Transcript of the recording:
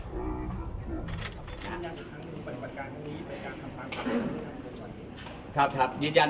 ไม่รักอายใจก็ไม่เป็นไร